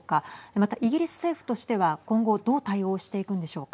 またイギリス政府としては今後どう対応していくんでしょうか。